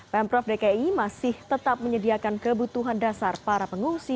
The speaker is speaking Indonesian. pemprov dki masih tetap menyediakan kebutuhan dasar para pengungsi